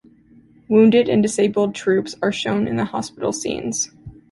Wounded and disabled troops are shown in the hospital scenes.